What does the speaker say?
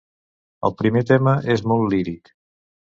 El primer tema és molt líric.